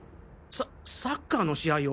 ササッカーの試合を。